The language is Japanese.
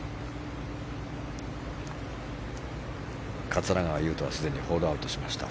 桂川有人はすでにホールアウトしました。